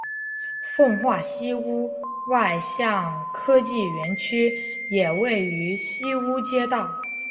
奉化西坞外向科技园区也位于西坞街道。